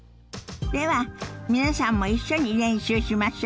では皆さんも一緒に練習しましょ。